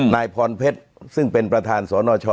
นายพรเพชรซึ่งเป็นประธานสนช